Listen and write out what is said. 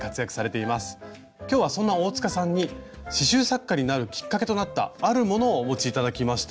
今日はそんな大さんに刺しゅう作家になるきっかけとなったあるものをお持ち頂きました。